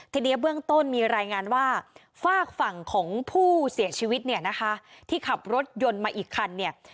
ทีนี้เบื้องต้นมีรายงานว่าฝากฝั่งของผู้เสียชีวิตเนี่ยนะคะที่ขับรถยนต์มาอีกคันเนี่ย